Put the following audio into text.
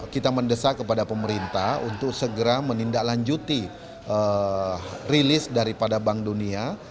kita mendesak kepada pemerintah untuk segera menindaklanjuti rilis daripada bank dunia